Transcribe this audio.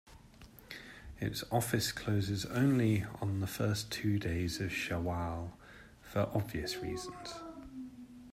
Its office closes only on the first two days of Shawwal, for obvious reasons.